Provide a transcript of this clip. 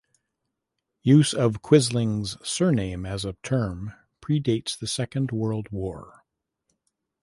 Use of Quisling's surname as a term predates the Second World War.